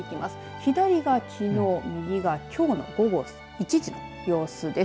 左がきのう、右がきょうの午後１時の様子です。